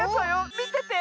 みてて！